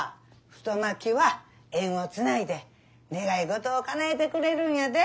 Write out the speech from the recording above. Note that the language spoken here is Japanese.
太巻きは縁をつないで願い事をかなえてくれるんやで。